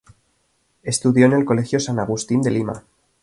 Estudió en el Colegio San Agustín de Lima.